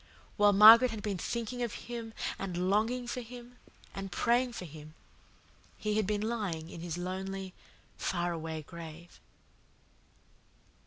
While Margaret had been thinking of him and longing for him and praying for him he had been lying in his lonely, faraway grave."